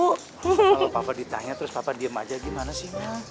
kalau papa ditanya terus papa diem aja gimana sih